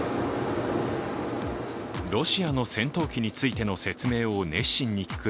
ロシアの戦闘機についての説明を熱心に聞く